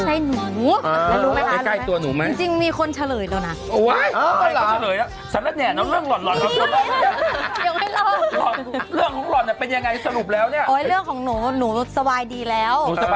อันนั้นเขามีโรค๒ไปอีกแล้วนะ